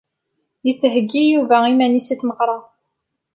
Yettheyyi Yuba iman-is i tmeɣra.